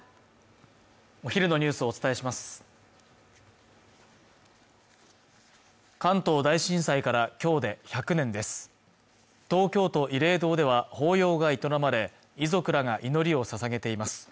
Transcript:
お昼のニュースをお伝えします関東大震災からきょうで１００年です東京都慰霊堂では法要が営まれ遺族らが祈りをささげています